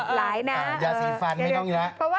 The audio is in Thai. หลายนะยาสีฟันไม่ต้องเยอะ